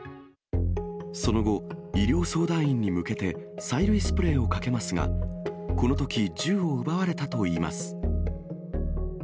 その後、医療相談員に向けて催涙スプレーをかけますが、このとき銃を奪われたといいます。